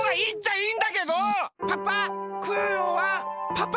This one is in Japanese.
パパ！